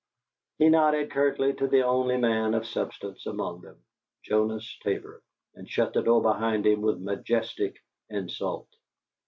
He nodded curtly to the only man of substance among them, Jonas Tabor, and shut the door behind him with majestic insult.